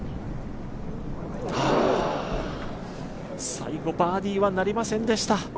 最後バーディーはなりませんでした。